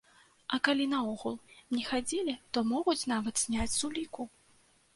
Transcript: А калі наогул не хадзілі, то могуць нават зняць з уліку.